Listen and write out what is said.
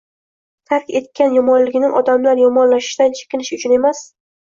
tark etgan yomonligini odamlar yomonlashidan chekinish uchun emas